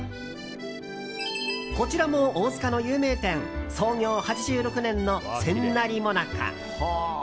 こちらも大塚の有名店創業８６年の千成もなか。